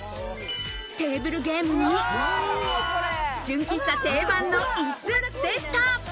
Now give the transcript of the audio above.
テーブルゲームに、純喫茶定番の椅子でした。